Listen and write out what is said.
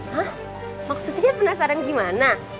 hah maksudnya penasaran gimana